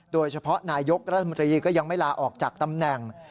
นายกรัฐมนตรีก็ยังไม่ลาออกจากตำแหน่ง